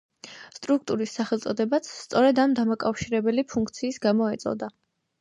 სტრუქტურის სახელწოდებაც, სწორედ ამ დამაკავშირებელი ფუნქციის გამო ეწოდა.